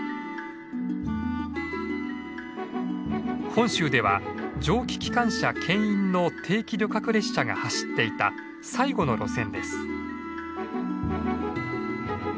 本州では蒸気機関車けん引の定期旅客列車が走っていた最後の路線です。